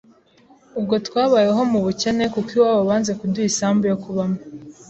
Ubwo twabayeho mu bukene, kuko iwabo banze kuduha isambu yo kubamo